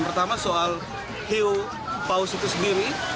pertama soal hiu paus itu sendiri